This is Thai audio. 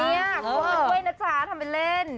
กลัวมันด้วยนะจ๊ะทำเป็นเล่น